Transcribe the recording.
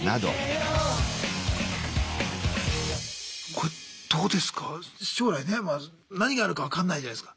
これどうですか？